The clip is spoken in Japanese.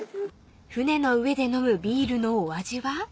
［舟の上で飲むビールのお味は］